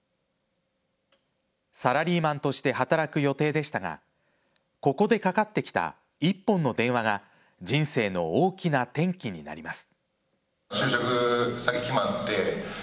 サラリーマンとして働く予定でしたがここでかかってきた１本の電話が人生の大きな転機になります。